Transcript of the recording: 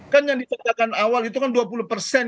kan yang dikatakan awal itu kan dua puluh persen